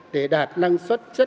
để đạt năng suất chất